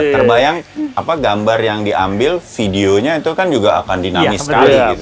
terbayang gambar yang diambil videonya itu kan juga akan dinamis sekali gitu